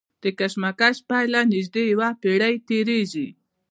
د کشمش پیله نژدې یوه پېړۍ تېرېږي.